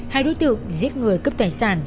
hai đối tượng giết người cấp tài sản